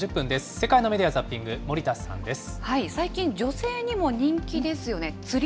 世界のメディア・ザッピング、最近、女性にも人気ですよね。